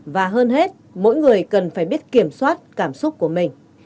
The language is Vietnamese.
và hơn hết mỗi người cần phải biết kiểm soát cảm xúc của mình